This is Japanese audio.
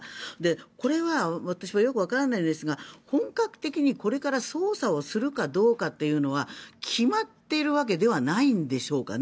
これは私はよくわからないんですが本格的にこれから捜査をするかどうかというのは決まっているわけではないんでしょうかね。